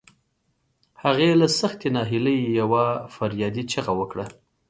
هغې له سختې ناهيلۍ يوه فریادي چیغه وکړه.